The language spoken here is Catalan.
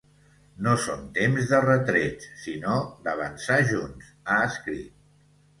No són temps de retrets, sinó d’avançar junts, ha escrit.